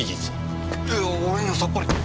いや俺にはさっぱり。